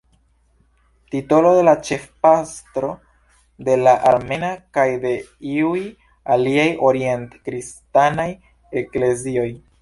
Titolo de la ĉefpastro de la armena kaj de iuj aliaj orient-kristanaj eklezioj.